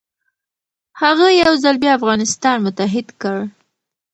هغه یو ځل بیا افغانستان متحد کړ.